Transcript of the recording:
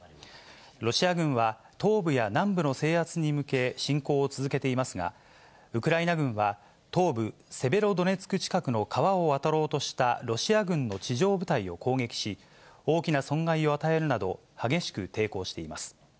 ロシア軍は、東部や南部の制圧に向け、侵攻を続けていますが、ウクライナ軍は東部セベロドネツク近くの川を渡ろうとしたロシア軍の地上部隊を攻撃し、大きな損害を与えるなど、激しく抵抗しています。